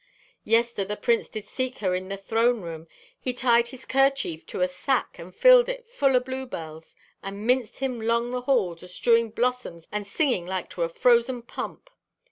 "Yester, the Prince did seek her in the throne room. He'd tied his kerchief to a sack and filled it full o' blue bells, and minced him 'long the halls astrewing blossoms and singing like to a frozen pump.